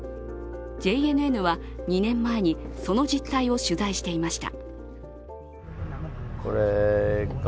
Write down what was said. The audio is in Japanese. ＪＮＮは２年前にその実態を取材していました。